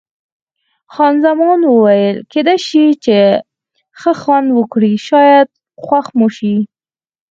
خان زمان وویل: کېدای شي ښه خوند وکړي، شاید خوښ مو شي.